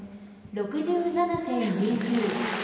６７．２９。